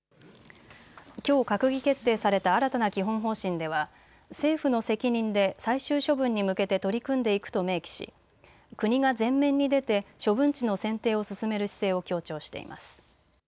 きょう閣議決定された新たな基本方針では政府の責任で最終処分に向けて取り組んでいくと明記し、国が前面に出て処分地の選定を進める姿勢を強調しています。